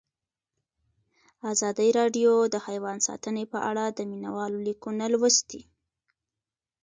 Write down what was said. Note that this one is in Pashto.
ازادي راډیو د حیوان ساتنه په اړه د مینه والو لیکونه لوستي.